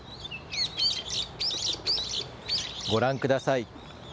ご覧ください。